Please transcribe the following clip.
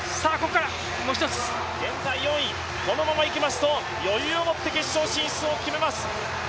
現在４位、このままいきますと余裕をもって決勝進出を決めます。